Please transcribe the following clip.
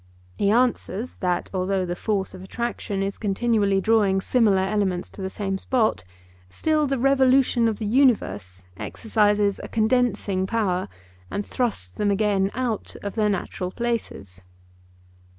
He answers that although the force of attraction is continually drawing similar elements to the same spot, still the revolution of the universe exercises a condensing power, and thrusts them again out of their natural places.